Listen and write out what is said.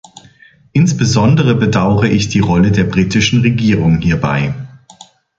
Insbesondere bedaure ich die Rolle der britischen Regierung hierbei.